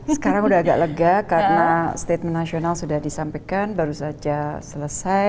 sekarang sudah agak lega karena statement nasional sudah disampaikan baru saja selesai